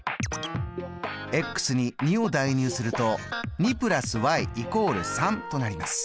に２を代入すると２＋＝３となります。